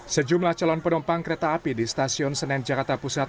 sejumlah calon penumpang kereta api di stasiun senen jakarta pusat